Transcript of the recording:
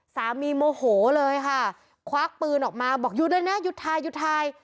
โมโหเลยค่ะควักปืนออกมาบอกหยุดด้วยนะหยุดทายหยุดทาย